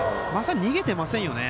逃げてませんよね。